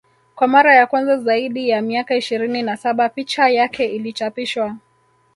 Kwa mara ya kwanza zaidi ya miaka ishirini na saba picha yake ilichapishwa